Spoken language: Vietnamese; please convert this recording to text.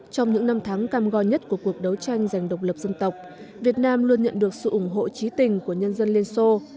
trong những năm tháng cam go nhất của cuộc đấu tranh giành độc lập dân tộc việt nam luôn nhận được sự ủng hộ trí tình của nhân dân liên xô